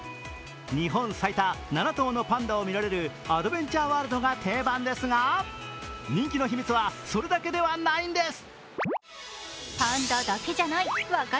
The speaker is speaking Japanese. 日本最多７頭のパンダを見られるアドベンチャーワールドが定番ですが、人気の秘密はそれだけではないんです。